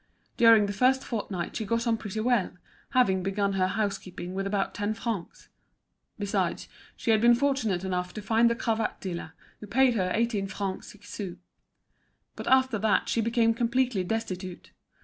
During the first fortnight she got on pretty well, having begun her housekeeping with about ten francs; besides she had been fortunate enough to find the cravat dealer, who paid her her eighteen francs six sous. But after that she became completely destitute.